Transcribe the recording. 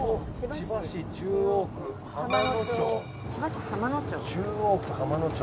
千葉市浜野町。